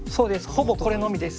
ほぼこれのみです。